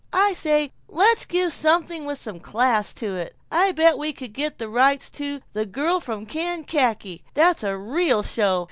I say let's give something with some class to it. I bet we could get the rights to 'The Girl from Kankakee,' and that's a real show.